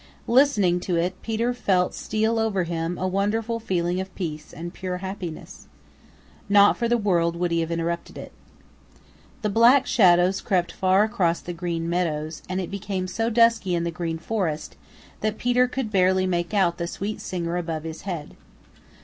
Listening to it Peter felt steal over him a wonderful feeling of peace and pure happiness. Not for the world would he have interrupted it. The Black Shadows crept far across the Green Meadows and it became so dusky in the Green Forest that Peter could barely make out the sweet singer above his head.